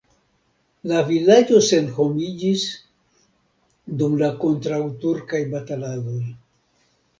La vilaĝo senhomiĝis dum la kontraŭturkaj bataladoj.